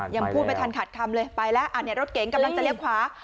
ยังพูดไม่ทันขาดคำเลยไปแล้วอันนี้รถเก๋งกำลังจะเลี้ยวขวา